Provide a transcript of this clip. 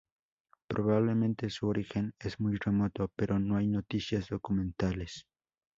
Probablemente su origen es muy remoto, pero no hay noticias documentales.